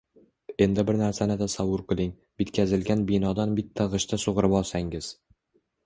Endi bir narsani tasavvur qiling: bitkazilgan binodan bitta g’ishtni sug’urib olsangiz